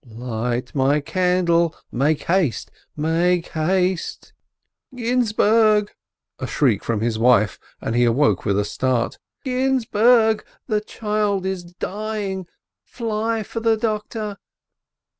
"Light my candle — make haste, make haste —" "Ginzburg!" a shriek from his wife, and he awoke with a start. "Ginzburg, the child is dying! Fly for the doctor."